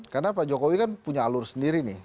karena pak jokowi kan punya alur sendiri nih